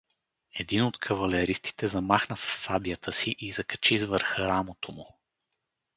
Един от кавалеристите замахна със сабята си и закачи с върха рамото му.